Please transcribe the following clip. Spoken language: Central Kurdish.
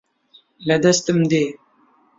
لە دەستم دێ